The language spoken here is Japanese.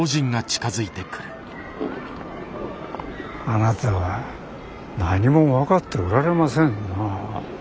あなたは何も分かっておられませんな。